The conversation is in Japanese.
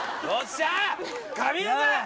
神業！